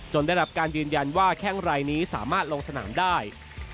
ได้รับการยืนยันว่าแข้งรายนี้สามารถลงสนามได้